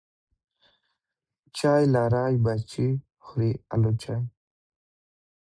چی لری بچي خوري الوچی .